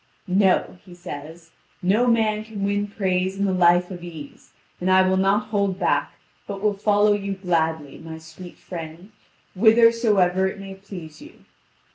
"No," he says; "no man can win praise in a life of ease; and I will not hold back, but will follow you gladly, my sweet friend, whithersoever it may please you.